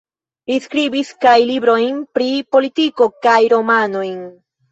Li skribis kaj librojn pri politiko kaj romanojn.